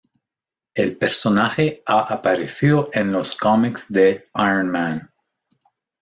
El personaje ha aparecido en los cómics de Iron Man.